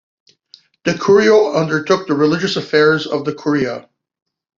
The curio undertook the religious affairs of the curia.